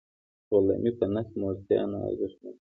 غلامي په نس موړتیا نه ارزښت نلري.